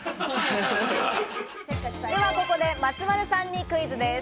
ではここで松丸さんにクイズです。